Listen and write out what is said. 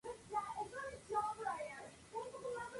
Los líderes son Mateo y Caroline Barnett.